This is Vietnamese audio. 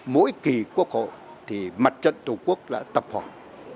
mỗi kỳ quốc hội thì mặt trận tổ quốc là tập hợp